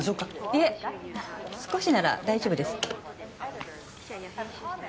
いえ少しなら大丈夫です。